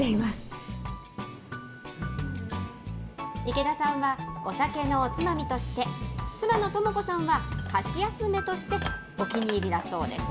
池田さんはお酒のおつまみとして、妻の智子さんは、箸休めとして、お気に入りだそうです。